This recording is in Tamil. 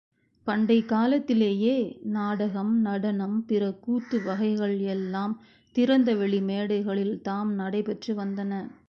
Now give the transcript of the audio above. பண்டைக் காலத்திலேயே நாடகம், நடனம், பிற கூத்து வகைகள் எல்லாம் திறந்த வெளி மேடைகளில் தாம் நடைபெற்று வந்தன.